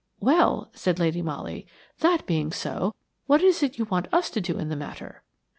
"Well," said Lady Molly, "that being so, what is it that you want us to do in the matter?"